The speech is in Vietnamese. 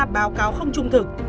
báo cáo không trung thực